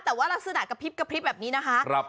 แต่ว่าลักษณะกระพริบแบบนี้นะคะ